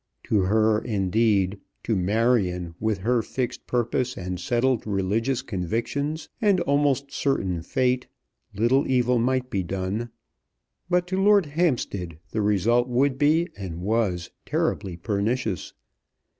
To her indeed, to Marion, with her fixed purpose, and settled religious convictions, and almost certain fate, little evil might be done. But to Lord Hampstead the result would be, and was, terribly pernicious.